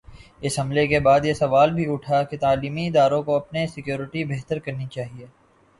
اس حملے کے بعد یہ سوال بھی اٹھا کہ تعلیمی اداروں کو اپنی سکیورٹی بہتر کرنی چاہیے۔